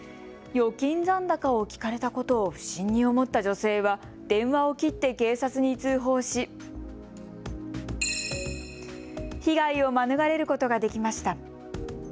預金残高を聞かれたことを不審に思った女性は電話を切って警察に通報し、被害を免れることができました。